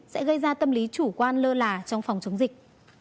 sẽ gây ra tâm lý chủ quan lơ là trong phòng chống dịch